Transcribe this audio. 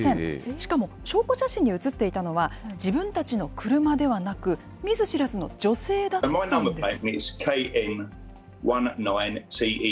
しかも証拠写真に写っていたのは、自分たちの車ではなく、見ず知らずの女性だったんです。